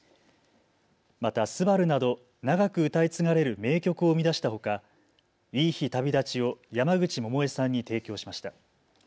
また、昴など長く歌い継がれる名曲を生み出したほか、いい日旅立ちを山口百恵さんに提供しました。